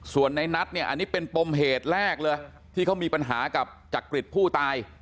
ส่วนในนัทเนี่ยอันนี้เป็นปมเหตุแรกเลยที่เขามีปัญหากับจักริตผู้ตาย